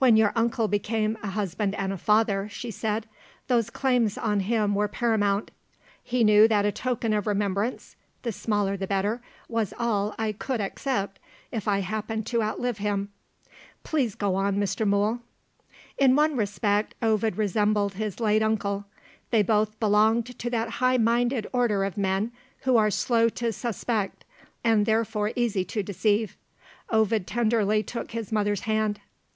"When your uncle became a husband and a father," she said, "those claims on him were paramount. He knew that a token of remembrance (the smaller the better) was all I could accept, if I happened to outlive him. Please go on, Mr. Mool." In one respect, Ovid resembled his late uncle. They both belonged to that high minded order of men, who are slow to suspect, and therefore easy to deceive. Ovid tenderly took his mother's hand.